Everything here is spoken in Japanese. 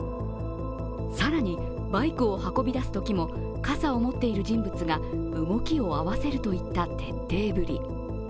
更に、バイクを運び出すときも傘を持っている人物が動きを合わせるといった徹底ぶり。